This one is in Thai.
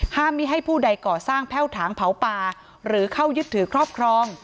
ไม่ให้ผู้ใดก่อสร้างแพ่วถางเผาป่าหรือเข้ายึดถือครอบครอง